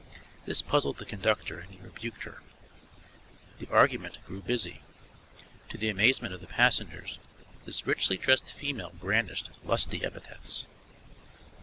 This puzzled the conductor and he rebuked her. The argument grew busy. To the amazement of the passengers this richly dressed female brandished lusty epithets.